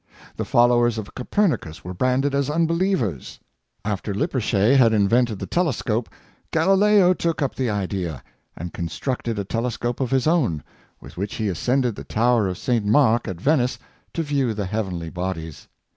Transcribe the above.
The followers of Copernicus were branded as unbelievers. After Lippersley had invented the telescope, Galileo took up the idea, and constructed a telescope of his own, with which he ascended the tower of St. Mark, at Venice, to view the heavenly bodies.